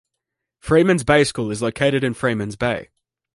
Freemans Bay School is located in Freemans Bay.